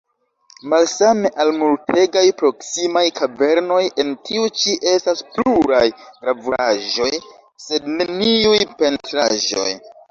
Malsame al multegaj proksimaj kavernoj, en tiu ĉi estas pluraj gravuraĵoj, sed neniuj pentraĵoj.